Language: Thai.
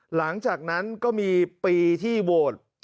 หลังจากนั้นก็มีปีที่โหวต